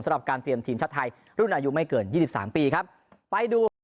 สำหรับการเตรียมทีมชาติไทยรุ่นอายุไม่เกินยี่สิบสามปีครับไปดู